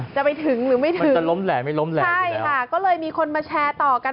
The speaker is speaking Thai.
จะไปถึงหรือไม่ถึงจะล้มแหล่ไม่ล้มแหลใช่ค่ะก็เลยมีคนมาแชร์ต่อกัน